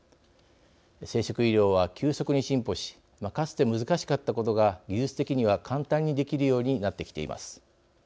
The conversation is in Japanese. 生殖医療は急速に進歩しかつて難しかったことが技術的には簡単にできるようになってきています。